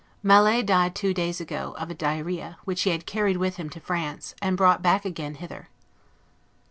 Mallet died two days ago, of a diarrhoea, which he had carried with him to France, and brought back again hither.